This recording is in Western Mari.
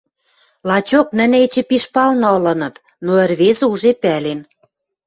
Лачок, нӹнӹ эче пиш палны ылыныт, но ӹрвезӹ уже пӓлен: